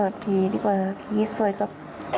กอดพี่ดีกว่านะพี่สวยกับ